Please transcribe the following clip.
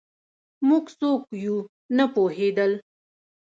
موږ څوک یو نه پوهېدل